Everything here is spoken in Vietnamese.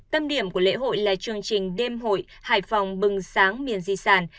tâm điểm của lễ hội là chương trình đêm hội hải phòng bừng sáng miền di sản